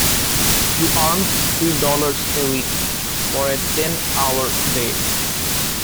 She earned three dollars a week for a ten-hour day.